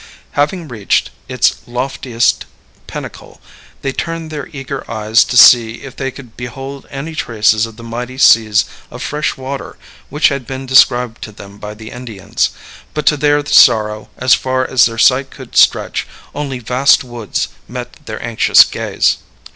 Having reached its loftiest pinnacle, they turned their eager eyes to see if they could behold any traces of the mighty seas of fresh water which had been described to them by the Indians; but to their sorrow, as far as their sight could stretch, only vast woods met their anxious gaze.